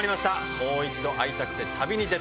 もう一度、逢いたくて旅にでた。